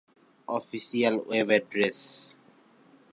official web address